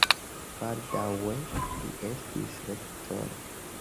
Baldaŭe li estis rektoro.